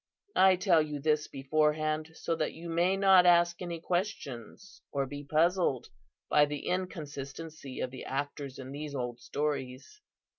I tell you this beforehand, so that you may not ask any questions, or be puzzled by the inconsistency of the actors in these old stories.